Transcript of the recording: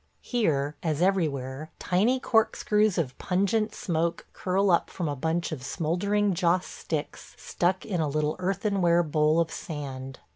Here, as everywhere, tiny corkscrews of pungent smoke curl up from a bunch of smouldering Joss sticks stuck in a little earthenware bowl of sand.